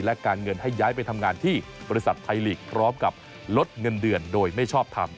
ไปทำงานที่บริษัทไทยลีกพร้อมกับลดเงินเดือนโดยไม่ชอบทำ